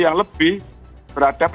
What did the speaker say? yang lebih berhadap